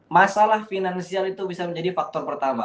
masalah finansial itu bisa menjadi faktor pertama